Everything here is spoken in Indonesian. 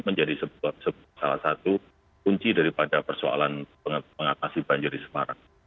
menjadi salah satu kunci daripada persoalan mengatasi banjir di semarang